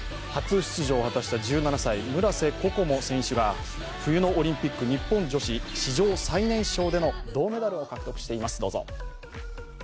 初出場を果たした１７歳、村瀬心椛選手が冬のオリンピック日本女子史上最年少での銅メダルを獲得しています。